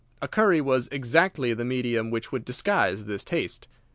A curry was exactly the medium which would disguise this taste.